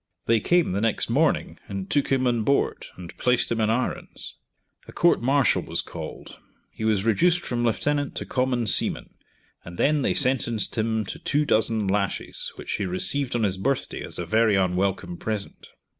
They came the next morning and took him on board, and placed him in irons. A court martial was called; he was reduced from lieutenant to common seaman, and then they sentenced him to two dozen lashes, which he received on his birthday as a very unwelcome present.